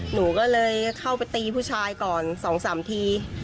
หนูก็เลยเข้าไปตีผู้ชายก่อน๒๓ที